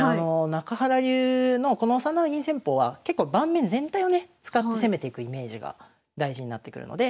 中原流のこの３七銀戦法は結構盤面全体をね使って攻めていくイメージが大事になってくるので